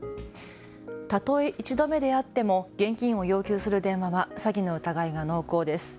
たとえ１度目であっても現金を要求する電話は詐欺の疑いが濃厚です。